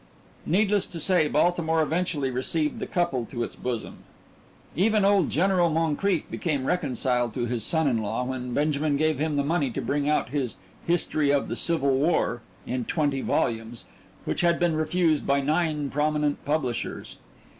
Needless to say, Baltimore eventually received the couple to its bosom. Even old General Moncrief became reconciled to his son in law when Benjamin gave him the money to bring out his History of the Civil War in twenty volumes, which had been refused by nine prominent publishers.